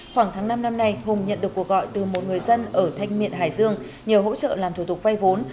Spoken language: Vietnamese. khoảng tháng năm năm nay hùng nhận được cuộc gọi từ một người dân ở thanh miện hải dương nhờ hỗ trợ làm thủ tục vay vốn